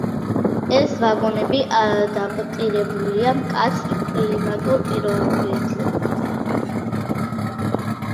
ეს ვაგონები ადაპტირებულია მკაცრ კლიმატურ პირობებზე.